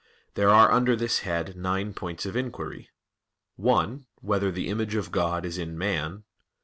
There are under this head nine points of inquiry: (1) Whether the image of God is in man?